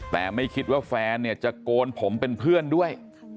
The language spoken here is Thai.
แต่ไม่คิดว่าแฟนเนี่ยจะโกนผมเป็นเพื่อนด้วย